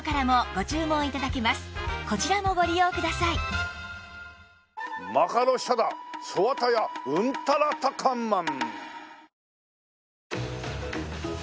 またマカロシャダソワタヤウンタラタカンマン。